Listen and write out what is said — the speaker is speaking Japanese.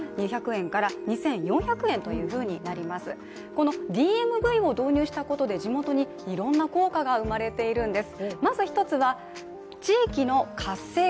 このＤＭＶを導入したことで地元にいろんな効果が生まれているんです。